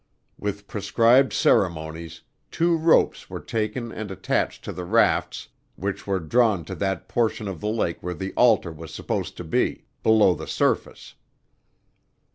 With prescribed ceremonies, two ropes were taken and attached to the rafts which were drawn to that portion of the lake where the altar was supposed to be, below the surface.